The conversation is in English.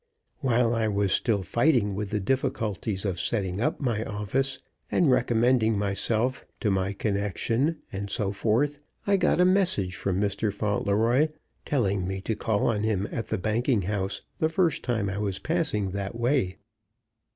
While I was still fighting with the difficulties of setting up my office, and recommending myself to my connection, and so forth, I got a message from Mr. Fauntleroy telling me to call on him, at the banking house, the first time I was passing that way.